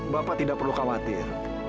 bapak tidak perlu khawatir